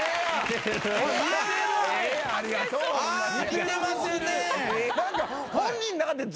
似てますね。